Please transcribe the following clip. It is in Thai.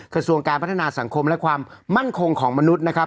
กระทรวงการพัฒนาสังคมและความมั่นคงของมนุษย์นะครับ